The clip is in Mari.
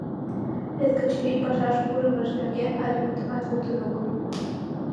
Вет Качырий пашаш пурымыж нерген але мутымат луктын огыл.